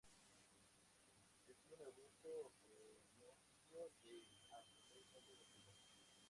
Es un arbusto perennifolio de hasta tres metros de altura.